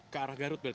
ke arah garut berarti